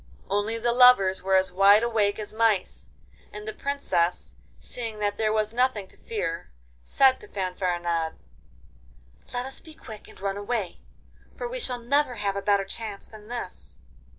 Only the lovers were as wide awake as mice, and the Princess, seeing that there was nothing to fear, said to Fanfaronade: 'Let us be quick and run away, for we shall never have a better chance than this.